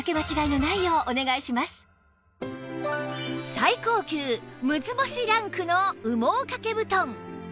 最高級６つ星ランクの羽毛掛け布団